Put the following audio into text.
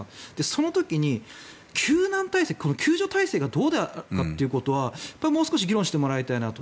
その時に、救難体制救助体制がどうだったかはもう少し議論してもらいたいなと。